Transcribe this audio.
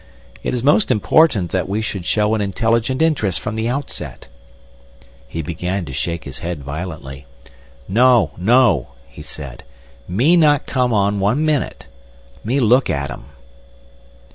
It is most important that we should show an intelligent interest from the outset." He began to shake his head violently. "No, no," he said, "me not come on one minute. Me look at 'im."